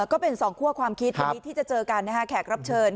ก็เป็นสองคั่วความคิดวันนี้ที่จะเจอกันนะฮะแขกรับเชิญ